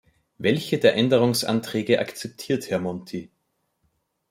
Welche der Änderungsanträge akzeptiert Herr Monti?